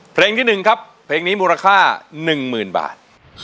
เพลงที่๑ครับเพลงนี้มูลค่า๑๐๐๐บาท